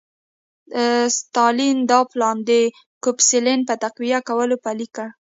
ستالین دا پلان د ګوسپلن په تقویه کولو پلی کړ